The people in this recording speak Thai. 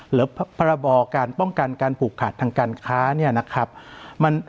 หรือประบอการป้องกันการปลูกขาดทางการค้า